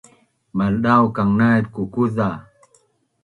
maldaukang naip kukuza